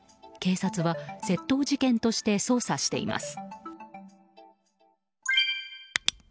警察は窃盗事件として捜査しています。